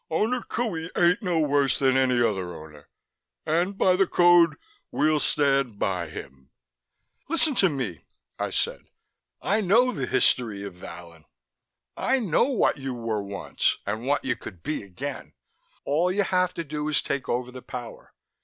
Owner Qohey ain't no worse than any other Owner ... and by the Code, we'll stand by him!" "Listen to me," I said. "I know the history of Vallon: I know what you were once and what you could be again. All you have to do is take over the power.